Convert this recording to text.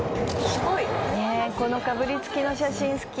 「ねえこのかぶりつきの写真好き